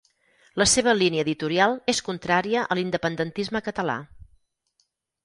La seva línia editorial és contrària a l'independentisme català.